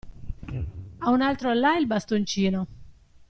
A un altro là il bastoncino.